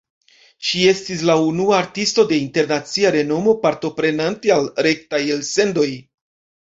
Ŝi estis la unua artisto de internacia renomo partoprenante al rektaj elsendoj.